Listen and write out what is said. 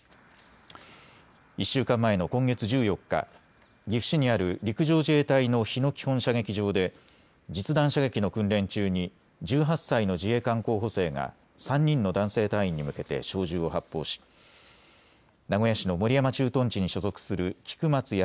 １週間前の今月１４日、岐阜市にある陸上自衛隊の日野基本射撃場で実弾射撃の訓練中に１８歳の自衛官候補生が３人の男性隊員に向けて小銃を発表し名古屋市の守山駐屯地に所属する菊松安